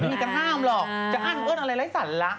ไม่มีกันห้ามหรอกจะอั้นอะไรไร้สั่นละ